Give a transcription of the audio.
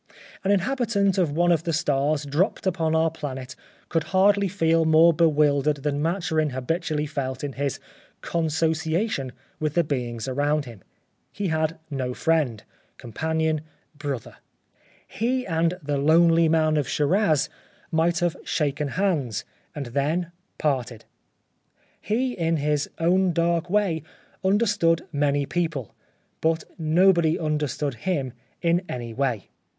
... An inhabitant of one of the stars dropped upon our planet could hardly feel more bewildered than Maturin habitually felt in his consociation with the beings around him. He had no friend, com panion, brother ; he and the '' Lonely Man of Shiraz " might have shaken hands and then — 45 The Life of Oscar Wilde parted. He — in his own dark way — understood many people ; but nobody understood him in any way.'